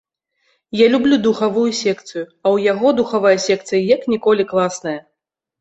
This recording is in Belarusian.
Я люблю духавую секцыю, а ў яго духавая секцыя як ніколі класная.